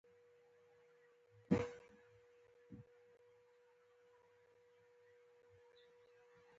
او دردڼاوو پیغامونه، نه وه